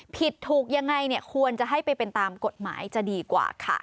ผิดถูกยังไงเนี่ยควรจะให้ไปเป็นตามกฎหมายจะดีกว่าค่ะ